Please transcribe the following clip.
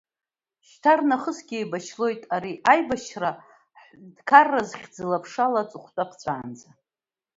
Шьҭарнахысгьы еибашьлоит ари аибашьра ҳҳәынҭқарразы хьыӡла-ԥшала аҵыхәтәа ԥҵәаанӡа.